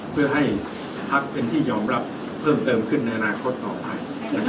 เพื่อให้พักเป็นที่ยอมรับเพิ่มเติมขึ้นในอนาคตต่อไป